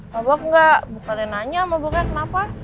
mabok enggak bukan aja nanya maboknya kenapa